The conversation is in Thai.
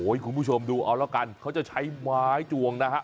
คุณผู้ชมดูเอาแล้วกันเขาจะใช้ไม้จวงนะฮะ